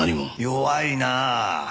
弱いなあ。